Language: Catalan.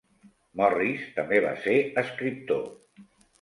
Morris també va ser escriptor.